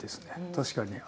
確かに。